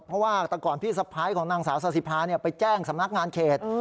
เพราะว่าแต่ก่อนพี่สะพ้ายของนางสาวซาสิภาไปแจ้งสำนักงานเขต